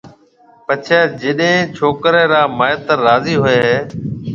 پڇيَ جڏَي ڇوڪرِي را مائيتر راضي ھوئيَ ھيَََ